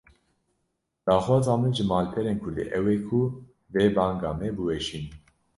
Daxwaza min ji malperên Kurdî ew e ku vê banga me biweşînin